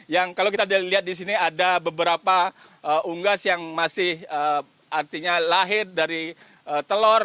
yang kalau kita lihat di sini ada beberapa unggas yang masih artinya lahir dari telur